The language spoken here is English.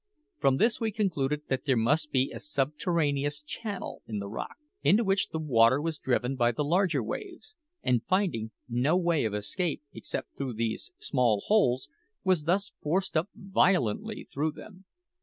From this we concluded that there must be a subterraneous channel in the rock into which the water was driven by the larger waves, and finding no way of escape except through these small holes, was thus forced up violently through them.